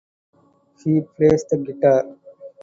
He plays the guitar.